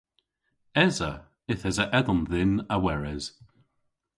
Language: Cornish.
Esa. Yth esa edhom dhyn a weres.